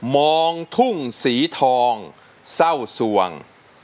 มองทุ่งสีทองเศร้าสวง